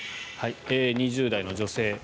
２０代の女性。